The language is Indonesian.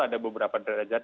ada beberapa derajat